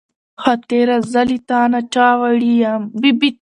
خاطره زه له تا نه چا وړې يم